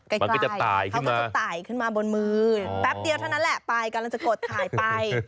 มันก็จะตายเขาก็จะตายขึ้นมาบนมือแป๊บเดียวเท่านั้นแหละไปกำลังจะกดถ่ายไป